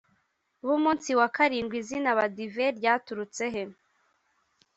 bumunsi wakarindwi izina abadive ryaturutse he